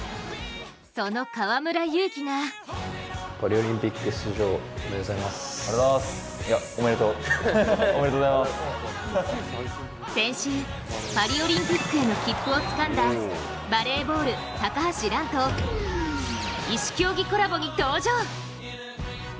その河村勇輝が先週、パリオリンピックへの切符をつかんだバレーボール、高橋藍と異種競技コラボに登場。